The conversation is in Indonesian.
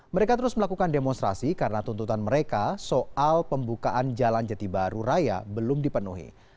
mereka terus melakukan demonstrasi karena tuntutan mereka soal pembukaan jalan jati baru raya belum dipenuhi